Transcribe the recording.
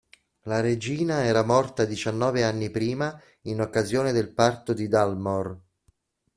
La regina era morta diciannove anni prima, in occasione del parto di Dalmor.